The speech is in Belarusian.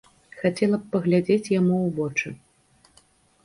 Хацела б паглядзець яму ў вочы.